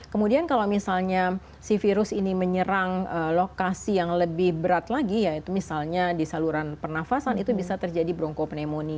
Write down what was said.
kemudian kalau misalnya si virus ini menyerang lokasi yang lebih berat lagi yaitu misalnya di saluran pernafasan itu bisa terjadi brongkopneumonia